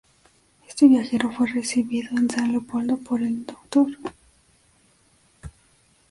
Este viajero fue recibido en San Leopoldo por el Dr.